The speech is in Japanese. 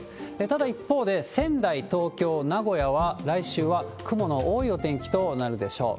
ただ一方で、仙台、東京、名古屋は、来週は雲の多いお天気となるでしょう。